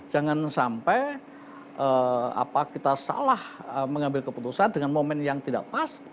jangan sampai kita salah mengambil keputusan dengan momen yang tidak pas